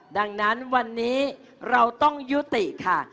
ดังนั้นวันนี้เราต้องยุติค่ะ